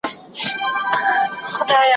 لیري یې بوتلمه تر کوره ساه مي ودرېده `